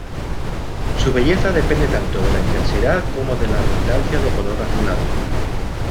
Su belleza depende tanto de la intensidad como de la abundancia de color azulado.